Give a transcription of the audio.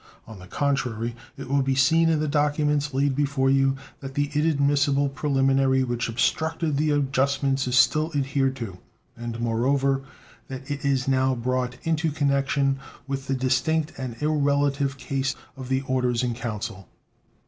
On the contrary, it will be seen in the documents laid before you that the inadmissible preliminary which obstructed the adjustment is still adhered to, and, moreover, that it is now brought into connection with the distinct and irrelative case of the orders in council.